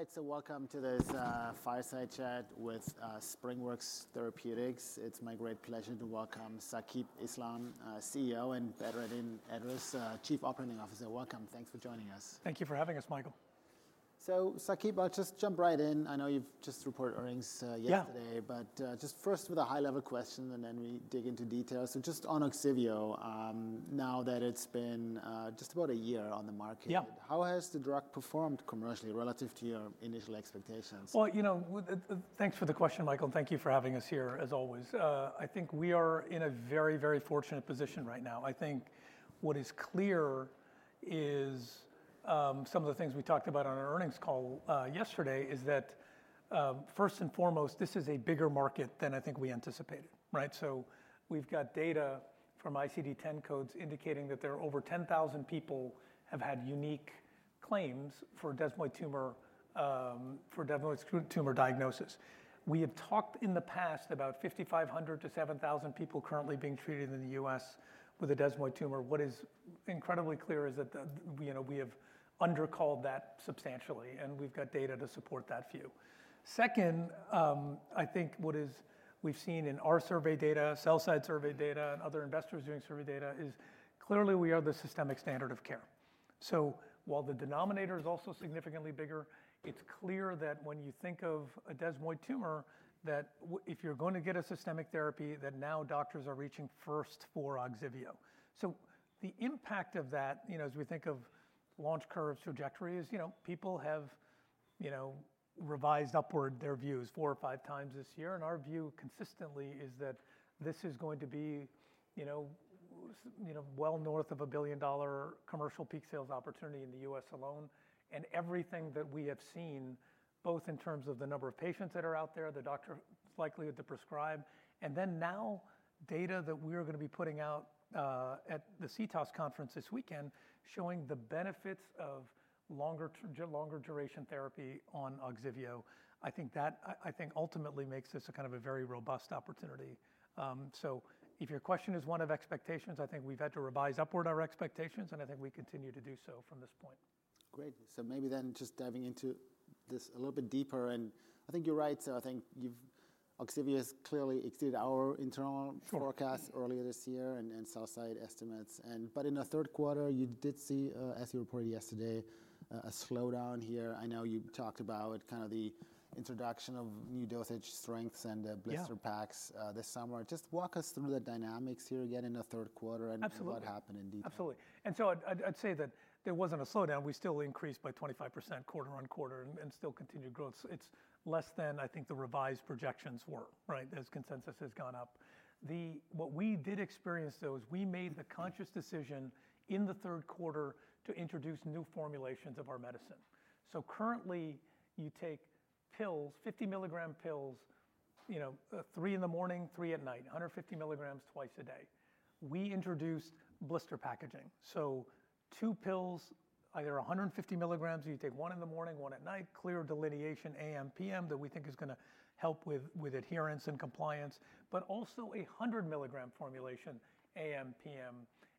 All right, so welcome to this fireside chat with SpringWorks Therapeutics. It's my great pleasure to welcome Saqib Islam, CEO, and Badreddin Edris, Chief Operating Officer. Welcome. Thanks for joining us. Thank you for having us, Michael. Saqib, I'll just jump right in. I know you've just reported earnings yesterday. Yeah. But just first with a high-level question, and then we dig into details. So just on Ogsiveo, now that it's been just about a year on the market. Yeah. How has the drug performed commercially relative to your initial expectations? You know, thanks for the question, Michael. Thank you for having us here, as always. I think we are in a very, very fortunate position right now. I think what is clear is some of the things we talked about on our earnings call yesterday is that, first and foremost, this is a bigger market than I think we anticipated, right? So we've got data from ICD-10 codes indicating that there are over 10,000 people who have had unique claims for desmoid tumor diagnosis. We have talked in the past about 5,500-7,000 people currently being treated in the U.S. with a desmoid tumor. What is incredibly clear is that, you know, we have undercalled that substantially, and we've got data to support that view. Second, I think what we've seen in our survey data, sell-side survey data, and other investors' survey data is clearly we are the systemic standard of care. So while the denominator is also significantly bigger, it's clear that when you think of a desmoid tumor, that if you're going to get a systemic therapy, that now doctors are reaching first for Ogsiveo. So the impact of that, you know, as we think of launch curve trajectory is, you know, people have, you know, revised upward their views four or five times this year. And our view consistently is that this is going to be, you know, well north of a $1 billion commercial peak sales opportunity in the U.S. alone. Everything that we have seen, both in terms of the number of patients that are out there, the doctor's likelihood to prescribe, and then now data that we are going to be putting out at the CTOS conference this weekend showing the benefits of longer duration therapy on Ogsiveo, I think that, I think ultimately makes this a kind of a very robust opportunity. So if your question is one of expectations, I think we've had to revise upward our expectations, and I think we continue to do so from this point. Great. So maybe then just diving into this a little bit deeper, and I think you're right. So I think Ogsiveo has clearly exceeded our internal forecast. Sure. Earlier this year and sell-side estimates. But in the third quarter, you did see, as you reported yesterday, a slowdown here. I know you talked about kind of the introduction of new dosage strengths and the blister packs this summer. Just walk us through the dynamics here again in the third quarter and what happened indeed. Absolutely, and so I'd say that there wasn't a slowdown. We still increased by 25% quarter-on-quarter and still continued growth. It's less than I think the revised projections were, right, as consensus has gone up. But what we did experience, though, is we made the conscious decision in the third quarter to introduce new formulations of our medicine, so currently, you take pills, 50 milligrams pills, you know, three in the morning, three at night, 150 milligrams twice a day. We introduced blister packaging, so two pills, either 150 milligrams, you take one in the morning, one at night, clear delineation AM, PM that we think is going to help with adherence and compliance, but also a 100 milligrams formulation AM, PM,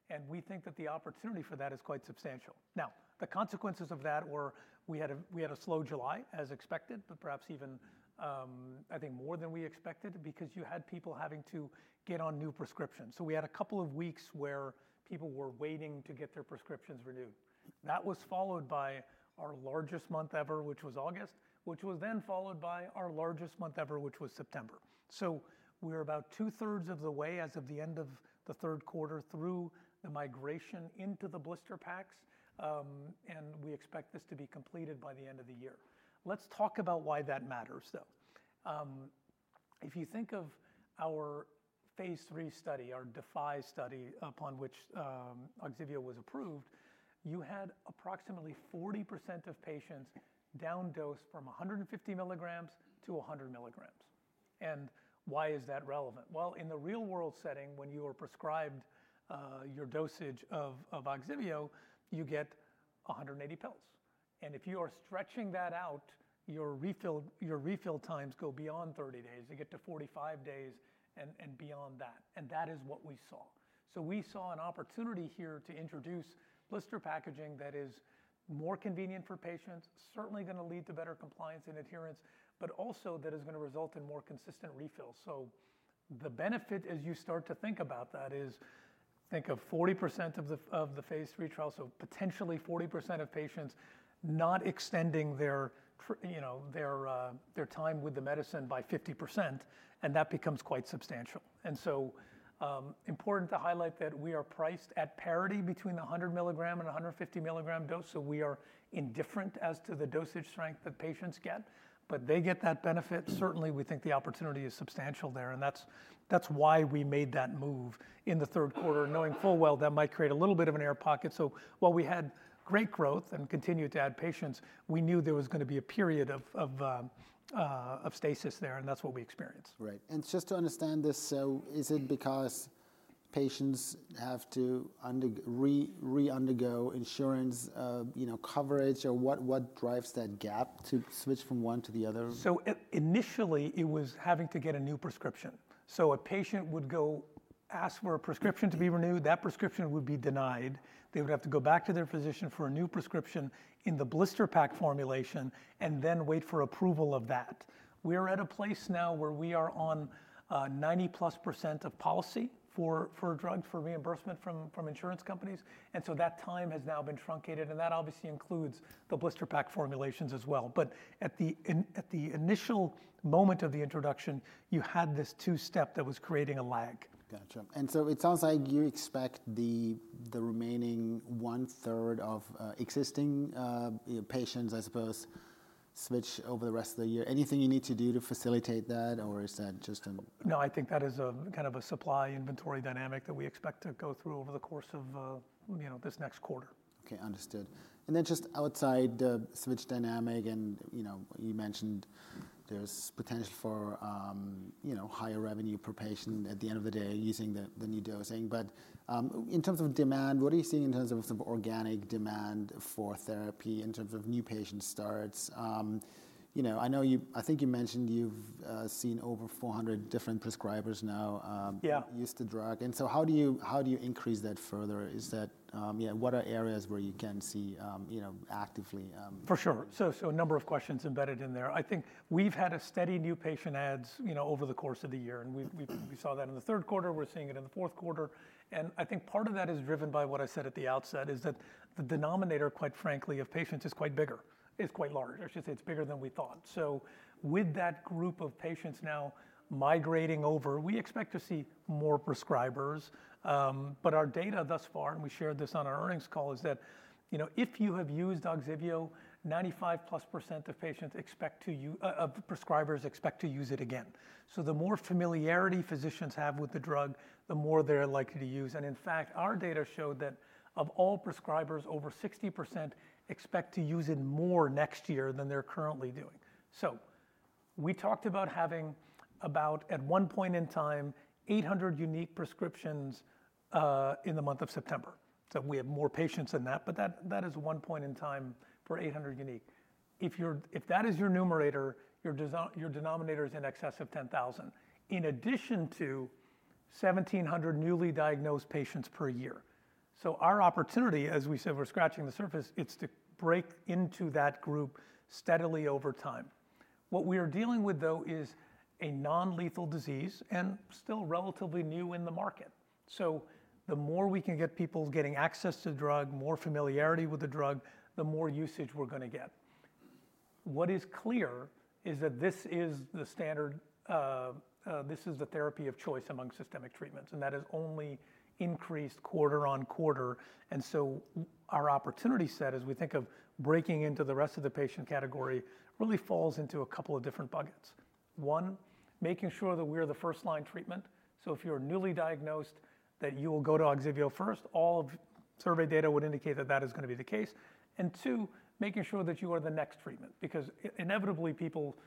and we think that the opportunity for that is quite substantial. Now, the consequences of that were we had a slow July, as expected, but perhaps even, I think, more than we expected because you had people having to get on new prescriptions. So we had a couple of weeks where people were waiting to get their prescriptions renewed. That was followed by our largest month ever, which was August, which was then followed by our largest month ever, which was September. So we're about two-thirds of the way as of the end of the third quarter through the migration into the blister packs, and we expect this to be completed by the end of the year. Let's talk about why that matters, though. If you think of our phase 3 study, our DEFY study upon which Ogsiveo was approved, you had approximately 40% of patients down-dosed from 150 milligrams to 100 milligrams. Why is that relevant? In the real-world setting, when you are prescribed your dosage of Ogsiveo, you get 180 pills. If you are stretching that out, your refill times go beyond 30 days. You get to 45 days and beyond that. That is what we saw. We saw an opportunity here to introduce blister packaging that is more convenient for patients, certainly going to lead to better compliance and adherence, but also that is going to result in more consistent refills. The benefit, as you start to think about that, is think of 40% of the phase three trial, so potentially 40% of patients not extending their, you know, their time with the medicine by 50%, and that becomes quite substantial. And so important to highlight that we are priced at parity between the 100 milligram and 150 milligram dose, so we are indifferent as to the dosage strength that patients get, but they get that benefit. Certainly, we think the opportunity is substantial there, and that's why we made that move in the third quarter, knowing full well that might create a little bit of an air pocket. So while we had great growth and continued to add patients, we knew there was going to be a period of stasis there, and that's what we experienced. Right. And just to understand this, so is it because patients have to re-undergo insurance, you know, coverage, or what drives that gap to switch from one to the other? So initially, it was having to get a new prescription. So a patient would go ask for a prescription to be renewed. That prescription would be denied. They would have to go back to their physician for a new prescription in the blister pack formulation and then wait for approval of that. We're at a place now where we are on 90-plus% of policy for drugs for reimbursement from insurance companies. And so that time has now been truncated, and that obviously includes the blister pack formulations as well. But at the initial moment of the introduction, you had this two-step that was creating a lag. Gotcha. And so it sounds like you expect the remaining one-third of existing patients, I suppose, switch over the rest of the year. Anything you need to do to facilitate that, or is that just a? No, I think that is a kind of a supply inventory dynamic that we expect to go through over the course of, you know, this next quarter. Okay, understood. And then just outside the switch dynamic, and, you know, you mentioned there's potential for, you know, higher revenue per patient at the end of the day using the new dosing. But in terms of demand, what are you seeing in terms of some organic demand for therapy in terms of new patient starts? You know, I know you I think you mentioned you've seen over 400 different prescribers now. Yeah. Used the drug. And so how do you increase that further? Is that, yeah, what are areas where you can see, you know, actively? For sure. So a number of questions embedded in there. I think we've had a steady new patient adds, you know, over the course of the year, and we saw that in the third quarter. We're seeing it in the fourth quarter. And I think part of that is driven by what I said at the outset, is that the denominator, quite frankly, of patients is quite bigger, is quite large. I should say it's bigger than we thought. So with that group of patients now migrating over, we expect to see more prescribers. But our data thus far, and we shared this on our earnings call, is that, you know, if you have used Ogsiveo, 95+% of prescribers expect to use it again. So the more familiarity physicians have with the drug, the more they're likely to use. In fact, our data showed that of all prescribers, over 60% expect to use it more next year than they're currently doing. We talked about having about 800 unique prescriptions in the month of September at one point in time. We have more patients than that, but that is one point in time for 800 unique. That is your numerator, your denominator is in excess of 10,000, in addition to 1,700 newly diagnosed patients per year. Our opportunity, as we said, we're scratching the surface; it's to break into that group steadily over time. What we are dealing with, though, is a non-lethal disease and still relatively new in the market. The more we can get people getting access to the drug, more familiarity with the drug, the more usage we're going to get. What is clear is that this is the standard. This is the therapy of choice among systemic treatments, and that has only increased quarter-on-quarter, and so our opportunity set, as we think of breaking into the rest of the patient category, really falls into a couple of different buckets. One, making sure that we are the first-line treatment so if you're newly diagnosed, that you will go to Ogsiveo first. All survey data would indicate that that is going to be the case, and two, making sure that you are the next treatment, because inevitably people,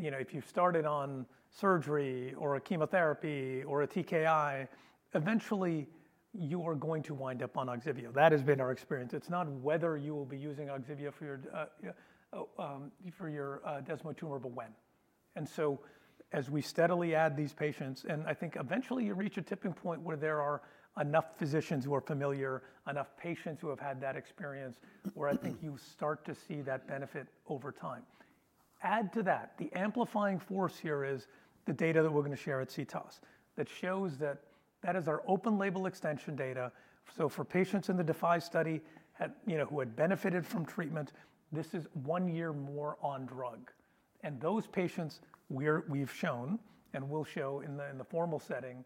you know, if you've started on surgery or a chemotherapy or a TKI, eventually you are going to wind up on Ogsiveo. That has been our experience. It's not whether you will be using Ogsiveo for your desmoid tumor, but when. And so as we steadily add these patients, and I think eventually you reach a tipping point where there are enough physicians who are familiar, enough patients who have had that experience, where I think you start to see that benefit over time. Add to that, the amplifying force here is the data that we're going to share at CTOS that shows that that is our open label extension data. So for patients in the DEFY study, you know, who had benefited from treatment, this is one year more on drug. And those patients, we've shown and will show in the formal setting,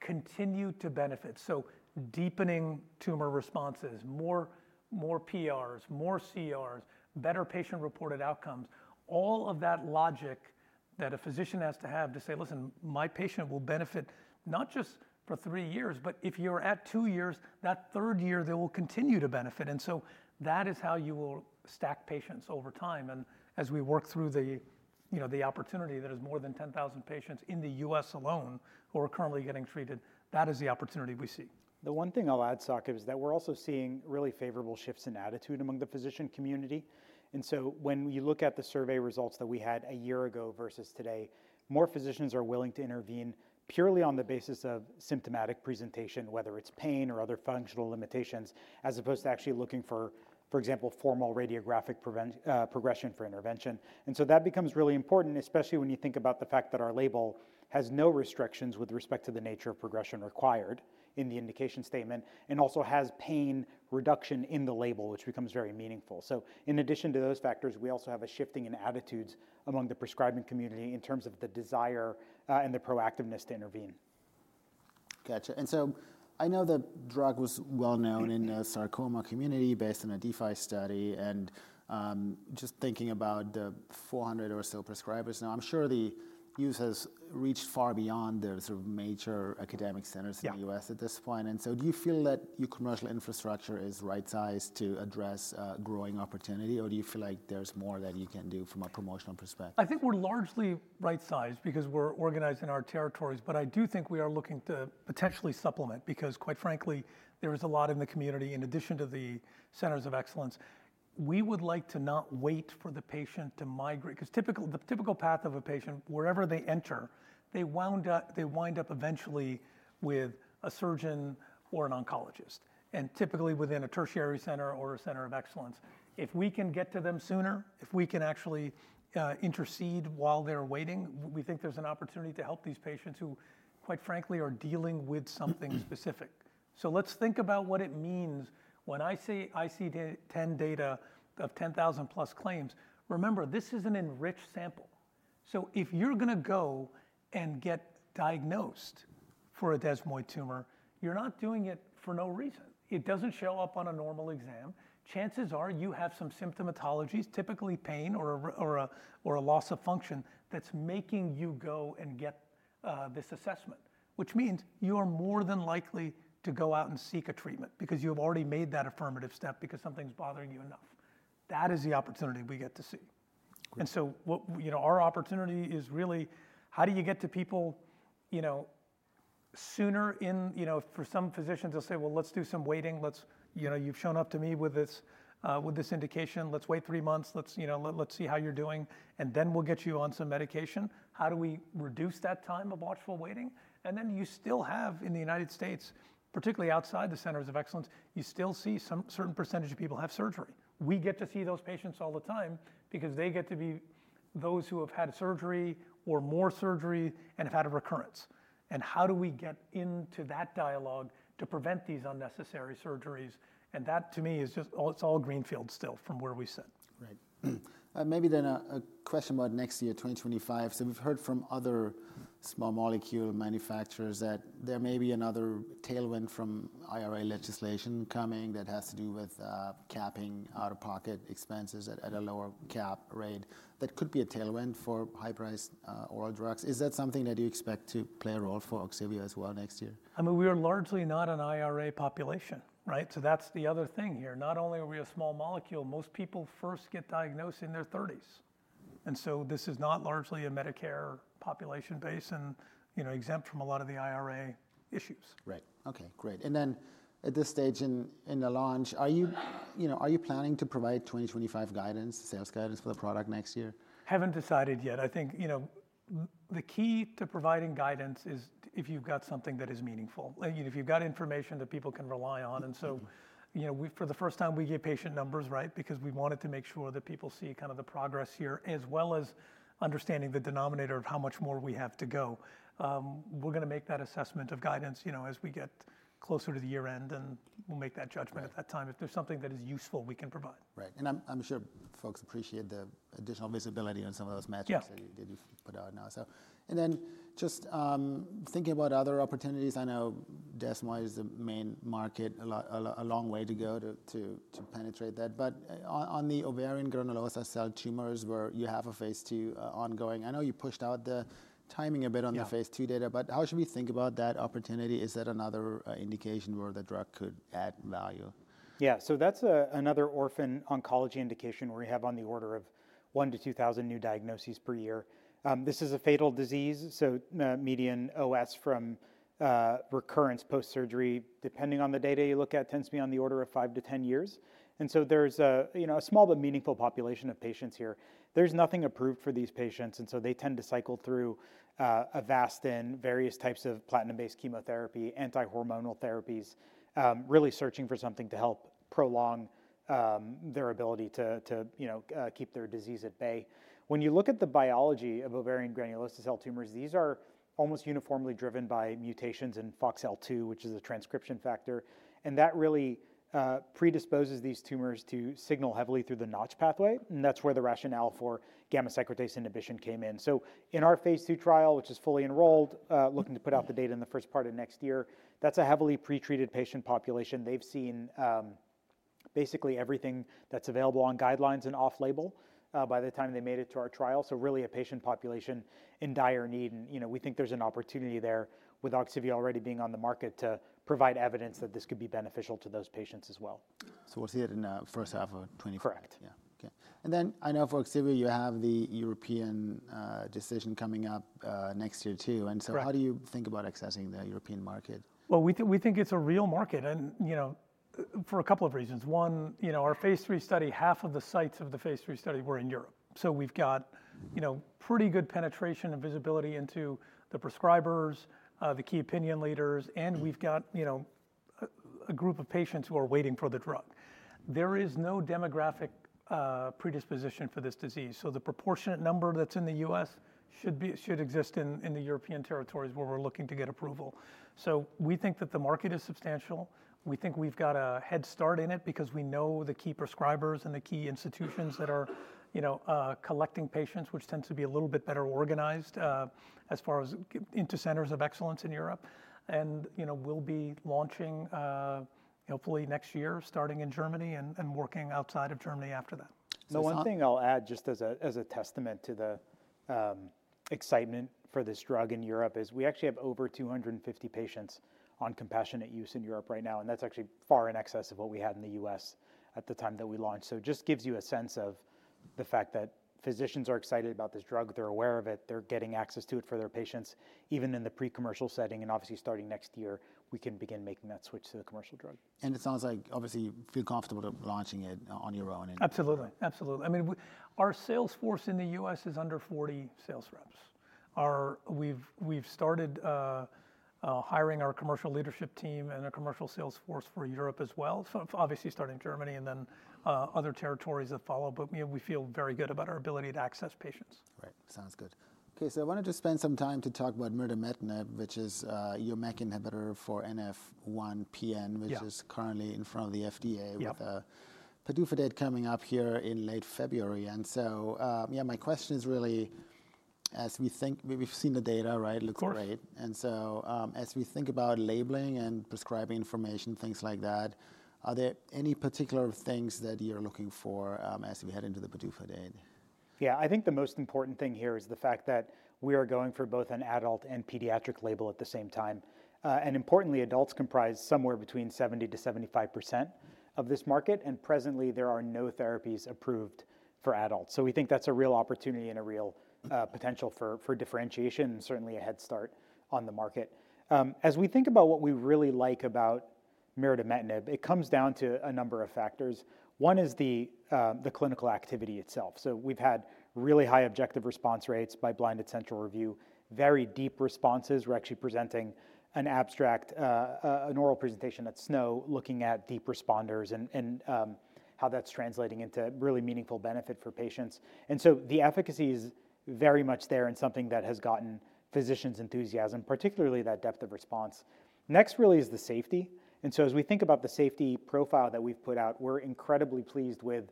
continue to benefit. So, deepening tumor responses, more PRs, more CRs, better patient-reported outcomes, all of that logic that a physician has to have to say, "Listen, my patient will benefit not just for three years, but if you're at two years, that third year they will continue to benefit." And so that is how you will stack patients over time. And as we work through the, you know, the opportunity that is more than 10,000 patients in the U.S. alone who are currently getting treated, that is the opportunity we see. The one thing I'll add, Saqib, is that we're also seeing really favorable shifts in attitude among the physician community, and so when you look at the survey results that we had a year ago versus today, more physicians are willing to intervene purely on the basis of symptomatic presentation, whether it's pain or other functional limitations, as opposed to actually looking for, for example, formal radiographic progression for intervention, and so that becomes really important, especially when you think about the fact that our label has no restrictions with respect to the nature of progression required in the indication statement and also has pain reduction in the label, which becomes very meaningful, so in addition to those factors, we also have a shifting in attitudes among the prescribing community in terms of the desire and the proactiveness to intervene. Gotcha. And so I know the drug was well known in the sarcoma community based on a DEFY study. And just thinking about the 400 or so prescribers now, I'm sure the use has reached far beyond the sort of major academic centers in the U.S. at this point. And so do you feel that your commercial infrastructure is right-sized to address growing opportunity, or do you feel like there's more that you can do from a promotional perspective? I think we're largely right-sized because we're organized in our territories, but I do think we are looking to potentially supplement because, quite frankly, there is a lot in the community in addition to the centers of excellence. We would like to not wait for the patient to migrate because the typical path of a patient, wherever they enter, they wind up eventually with a surgeon or an oncologist, and typically within a tertiary center or a center of excellence. If we can get to them sooner, if we can actually intercede while they're waiting, we think there's an opportunity to help these patients who, quite frankly, are dealing with something specific. So let's think about what it means when I see 10% of 10,000+ claims. Remember, this is an enriched sample. So if you're going to go and get diagnosed for a desmoid tumor, you're not doing it for no reason. It doesn't show up on a normal exam. Chances are you have some symptomatologies, typically pain or a loss of function, that's making you go and get this assessment, which means you are more than likely to go out and seek a treatment because you have already made that affirmative step because something's bothering you enough. That is the opportunity we get to see. And so, you know, our opportunity is really how do you get to people, you know, sooner in, you know, for some physicians, they'll say, "Well, let's do some waiting. Let's, you know, you've shown up to me with this indication. Let's wait three months. Let's, you know, let's see how you're doing, and then we'll get you on some medication." How do we reduce that time of watchful waiting? And then you still have, in the United States, particularly outside the centers of excellence, you still see some certain percentage of people have surgery. We get to see those patients all the time because they get to be those who have had surgery or more surgery and have had a recurrence. And how do we get into that dialogue to prevent these unnecessary surgeries? And that, to me, is just it's all greenfield still from where we sit. Right. Maybe then a question about next year, 2025. So we've heard from other small molecule manufacturers that there may be another tailwind from IRA legislation coming that has to do with capping out-of-pocket expenses at a lower cap rate that could be a tailwind for high-priced oral drugs. Is that something that you expect to play a role for Ogsiveo as well next year? I mean, we are largely not an IRA population, right? So that's the other thing here. Not only are we a small molecule, most people first get diagnosed in their 30s, and so this is not largely a Medicare population base and, you know, exempt from a lot of the IRA issues. Right. Okay, great. And then at this stage in the launch, are you, you know, are you planning to provide 2025 guidance, sales guidance for the product next year? Haven't decided yet. I think, you know, the key to providing guidance is if you've got something that is meaningful, you know, if you've got information that people can rely on. And so, you know, for the first time, we give patient numbers, right, because we wanted to make sure that people see kind of the progress here, as well as understanding the denominator of how much more we have to go. We're going to make that assessment of guidance, you know, as we get closer to the year end, and we'll make that judgment at that time. If there's something that is useful, we can provide. Right. And I'm sure folks appreciate the additional visibility on some of those metrics that you put out now. So, and then just thinking about other opportunities, I know desmoid is the main market, a long way to go to penetrate that. But on the ovarian granulosa cell tumors where you have a phase 2 ongoing, I know you pushed out the timing a bit on the phase 2 data, but how should we think about that opportunity? Is that another indication where the drug could add value? Yeah, so that's another orphan oncology indication where we have on the order of 1,000-2,000 new diagnoses per year. This is a fatal disease, so median OS from recurrence post-surgery, depending on the data you look at, tends to be on the order of 5-10 years. And so there's a, you know, a small but meaningful population of patients here. There's nothing approved for these patients, and so they tend to cycle through Avastin, various types of platinum-based chemotherapy, anti-hormonal therapies, really searching for something to help prolong their ability to, you know, keep their disease at bay. When you look at the biology of ovarian granulosa cell tumors, these are almost uniformly driven by mutations in FOXL2, which is a transcription factor, and that really predisposes these tumors to signal heavily through the Notch pathway. And that's where the rationale for gamma-secretase inhibition came in. So in our phase 2 trial, which is fully enrolled, looking to put out the data in the first part of next year, that's a heavily pretreated patient population. They've seen basically everything that's available on guidelines and off-label by the time they made it to our trial. So really a patient population in dire need. And, you know, we think there's an opportunity there with Ogsiveo already being on the market to provide evidence that this could be beneficial to those patients as well. So we'll see it in the first half of. Correct. Yeah. Okay. And then I know for Ogsiveo, you have the European decision coming up next year too. And so how do you think about accessing the European market? We think it's a real market, and, you know, for a couple of reasons. One, you know, our phase 3 study, half of the sites of the phase 3 study were in Europe. So we've got, you know, pretty good penetration and visibility into the prescribers, the key opinion leaders, and we've got, you know, a group of patients who are waiting for the drug. There is no demographic predisposition for this disease. So the proportionate number that's in the U.S. should exist in the European territories where we're looking to get approval. So we think that the market is substantial. We think we've got a head start in it because we know the key prescribers and the key institutions that are, you know, collecting patients, which tends to be a little bit better organized as far as into centers of excellence in Europe. You know, we'll be launching hopefully next year, starting in Germany and working outside of Germany after that. The one thing I'll add just as a testament to the excitement for this drug in Europe is we actually have over 250 patients on compassionate use in Europe right now, and that's actually far in excess of what we had in the U.S. at the time that we launched. So it just gives you a sense of the fact that physicians are excited about this drug. They're aware of it. They're getting access to it for their patients, even in the pre-commercial setting. And obviously, starting next year, we can begin making that switch to the commercial drug. And it sounds like obviously you feel comfortable launching it on your own. Absolutely. Absolutely. I mean, our sales force in the U.S. is under 40 sales reps. We've started hiring our commercial leadership team and our commercial sales force for Europe as well. So obviously starting Germany and then other territories that follow. But we feel very good about our ability to access patients. Right. Sounds good. Okay. So I wanted to spend some time to talk about mirdametinib, which is your MEK inhibitor for NF1-PN, which is currently in front of the FDA with a PDUFA date coming up here in late February. And so, yeah, my question is really, as we think, we've seen the data, right? It looks great. And so as we think about labeling and prescribing information, things like that, are there any particular things that you're looking for as we head into the PDUFA date? Yeah, I think the most important thing here is the fact that we are going for both an adult and pediatric label at the same time, and importantly, adults comprise somewhere between 70%-75% of this market, and presently, there are no therapies approved for adults. So we think that's a real opportunity and a real potential for differentiation and certainly a head start on the market. As we think about what we really like about mirdametinib, it comes down to a number of factors. One is the clinical activity itself, so we've had really high objective response rates by blinded central review, very deep responses. We're actually presenting an abstract, an oral presentation at SNO looking at deep responders and how that's translating into really meaningful benefit for patients. And so the efficacy is very much there and something that has gotten physicians' enthusiasm, particularly that depth of response. Next really is the safety. And so as we think about the safety profile that we've put out, we're incredibly pleased with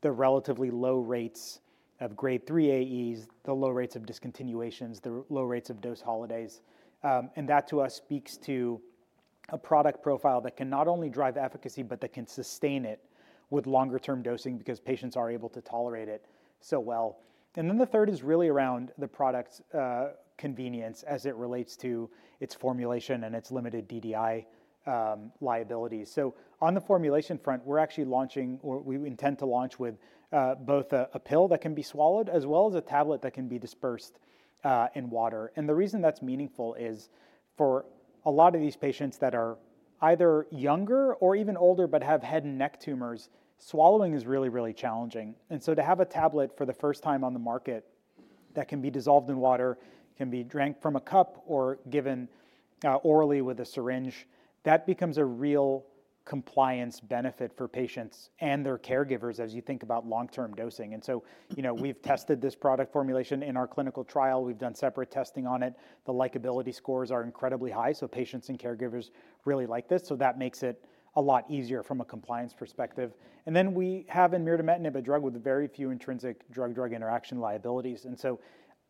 the relatively low rates of Grade 3 AEs, the low rates of discontinuations, the low rates of dose holidays. And that to us speaks to a product profile that can not only drive efficacy, but that can sustain it with longer-term dosing because patients are able to tolerate it so well. And then the third is really around the product's convenience as it relates to its formulation and its limited DDI liability. So on the formulation front, we're actually launching, or we intend to launch with both a pill that can be swallowed as well as a tablet that can be dispersed in water. And the reason that's meaningful is for a lot of these patients that are either younger or even older but have head and neck tumors, swallowing is really, really challenging. And so to have a tablet for the first time on the market that can be dissolved in water, can be drank from a cup or given orally with a syringe, that becomes a real compliance benefit for patients and their caregivers as you think about long-term dosing. And so, you know, we've tested this product formulation in our clinical trial. We've done separate testing on it. The likability scores are incredibly high, so patients and caregivers really like this. So that makes it a lot easier from a compliance perspective. And then we have in mirdametinib a drug with very few intrinsic drug-drug interaction liabilities. And so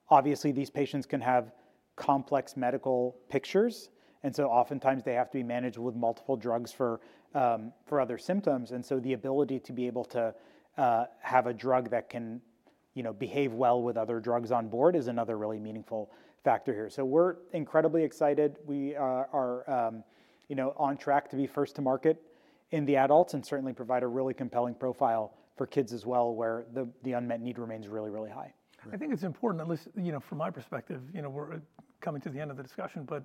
obviously these patients can have complex medical pictures. And so oftentimes they have to be managed with multiple drugs for other symptoms. And so the ability to be able to have a drug that can, you know, behave well with other drugs on board is another really meaningful factor here. So we're incredibly excited. We are, you know, on track to be first to market in the adults and certainly provide a really compelling profile for kids as well where the unmet need remains really, really high. I think it's important, at least, you know, from my perspective, you know, we're coming to the end of the discussion, but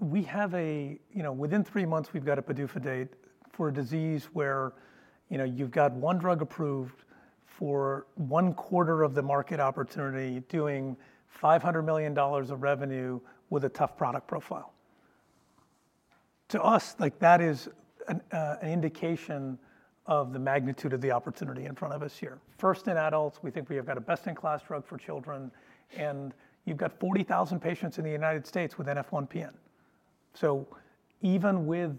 we have a, you know, within three months we've got a PDUFA date for a disease where, you know, you've got one drug approved for one quarter of the market opportunity doing $500 million of revenue with a tough product profile. To us, like that is an indication of the magnitude of the opportunity in front of us here. First in adults, we think we have got a best-in-class drug for children, and you've got 40,000 patients in the United States with NF1-PN. So even with,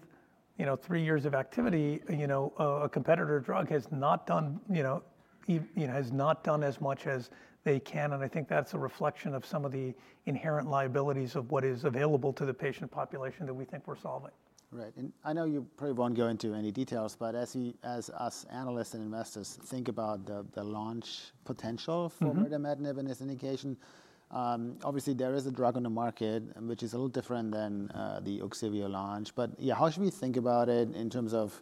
you know, three years of activity, you know, a competitor drug has not done, you know, as much as they can. And I think that's a reflection of some of the inherent liabilities of what is available to the patient population that we think we're solving. Right. And I know you probably won't go into any details, but as us analysts and investors think about the launch potential for mirdametinib in this indication, obviously there is a drug on the market which is a little different than the Ogsiveo launch. But yeah, how should we think about it in terms of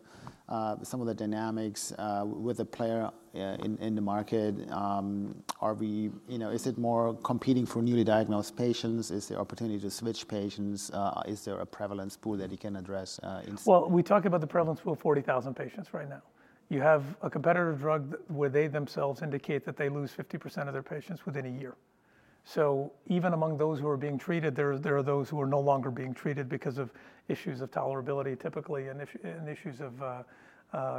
some of the dynamics with a player in the market? Are we, you know, is it more competing for newly diagnosed patients? Is there opportunity to switch patients? Is there a prevalence pool that you can address? We talk about the prevalence pool of 40,000 patients right now. You have a competitor drug where they themselves indicate that they lose 50% of their patients within a year. So even among those who are being treated, there are those who are no longer being treated because of issues of tolerability typically and issues of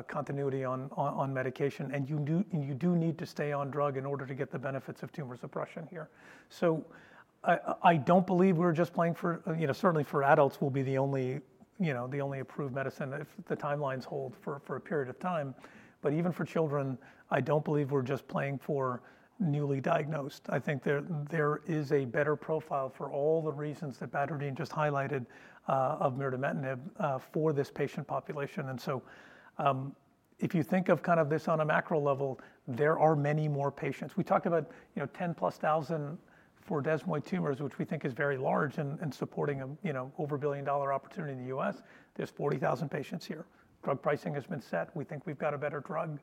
continuity on medication. And you do need to stay on drug in order to get the benefits of tumor suppression here. So I don't believe we're just playing for, you know, certainly for adults will be the only, you know, the only approved medicine if the timelines hold for a period of time. But even for children, I don't believe we're just playing for newly diagnosed. I think there is a better profile for all the reasons that Badreddin just highlighted of mirdametinib for this patient population. And so if you think of kind of this on a macro level, there are many more patients. We talk about, you know, 10+ thousand for desmoid tumors, which we think is very large and supporting a, you know, over a billion-dollar opportunity in the U.S. There's 40,000 patients here. Drug pricing has been set. We think we've got a better drug,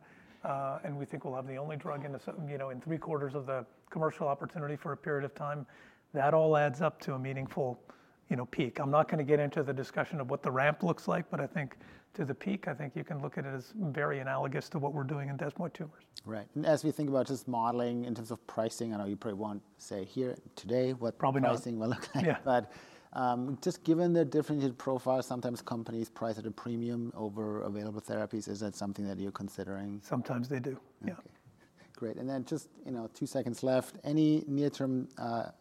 and we think we'll have the only drug in, you know, in three quarters of the commercial opportunity for a period of time. That all adds up to a meaningful, you know, peak. I'm not going to get into the discussion of what the ramp looks like, but I think to the peak, I think you can look at it as very analogous to what we're doing in desmoid tumors. Right. And as we think about just modeling in terms of pricing, I know you probably won't say here today what pricing will look like, but just given the differentiated profile, sometimes companies price at a premium over available therapies. Is that something that you're considering? Sometimes they do. Yeah. Great. And then just, you know, two seconds left. Any near-term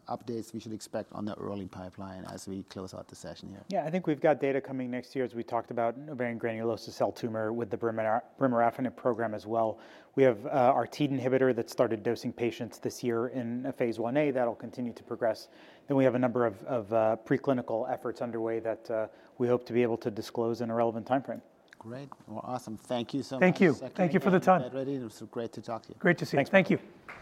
updates we should expect on the early pipeline as we close out the session here? Yeah, I think we've got data coming next year as we talked about ovarian granulosa cell tumor with the brimarafenib program as well. We have our TEAD inhibitor that started dosing patients this year in a phase 1-A. That'll continue to progress. Then we have a number of preclinical efforts underway that we hope to be able to disclose in a relevant timeframe. Great, well, awesome. Thank you so much. Thank you. Thank you for the time. Badreddin, it was great to talk to you. Great to see you. Thank you.